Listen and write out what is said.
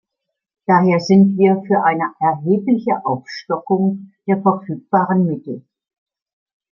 Daher sind wir für eine erhebliche Aufstockung der verfügbaren Mittel.